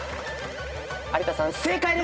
有田さん正解です。